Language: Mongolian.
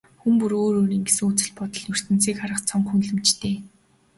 Хүн бүр өөр өөрийн гэсэн үзэл бодол, ертөнцийг харах цонх, үнэлэмжтэй.